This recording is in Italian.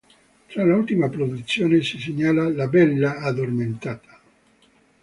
Tra l'ultima produzione si segnala "La bella addormentata".